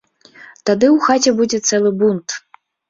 Тады ў хаце будзе цэлы бунт.